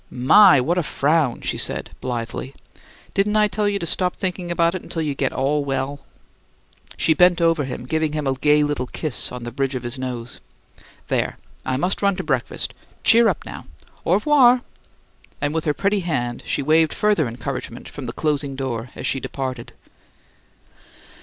"My, what a frown!" she cried, blithely. "Didn't I tell you to stop thinking about it till you get ALL well?" She bent over him, giving him a gay little kiss on the bridge of his nose. "There! I must run to breakfast. Cheer up now! Au 'voir!" And with her pretty hand she waved further encouragement from the closing door as she departed.